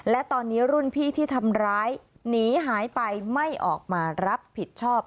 และตอนนี้รุ่นพี่ที่ทำร้ายหนีหายไปไม่ออกมารับผิดชอบ